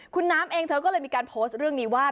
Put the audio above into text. คุณน้ำเองเธอก็เลยมีการโพสต์เรื่องนี้ว่า